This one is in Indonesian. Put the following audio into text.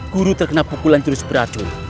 guru terkena pukulan jenis beracun